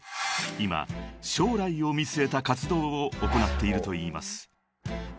［今将来を見据えた活動を行っているといいます］